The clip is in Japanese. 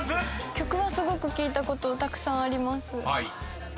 曲は聴いたことたくさんあります。